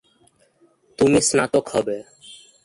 তুমি স্নাতক হবে।